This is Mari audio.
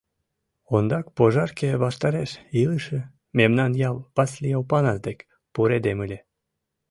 Ондак пожарке ваштареш илыше мемнан ял Васлий Опанас дек пуредем ыле.